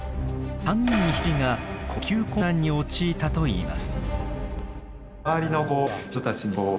３人に１人が呼吸困難に陥ったといいます。